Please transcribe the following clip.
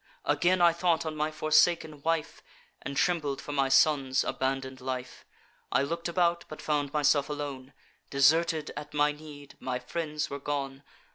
Again I thought on my forsaken wife, And trembled for my son's abandon'd life. I look'd about, but found myself alone, Deserted at my need! My friends were gone.